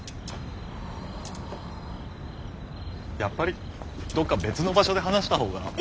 やっぱりどっか別の場所で話した方が。